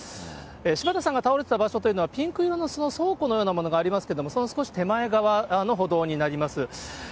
柴田さんが倒れてた場所というのは、ピンク色の倉庫のようなものがありますけど、その少し手前側の歩道になります。